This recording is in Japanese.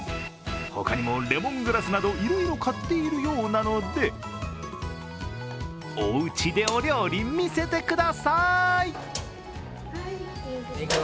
他にもレモングラスなどいろいろ買っているようなのでおうちでお料理見せてください！